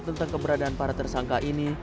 tentang keberadaan para tersangka ini